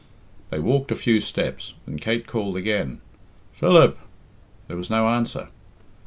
They walked a few steps, and Kate called again, "Philip!" There was no answer.